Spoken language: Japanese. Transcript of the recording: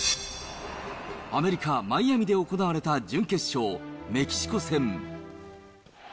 アメリカ・マイアミで行われた準決勝メキシコ戦。